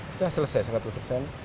sudah selesai seratus persen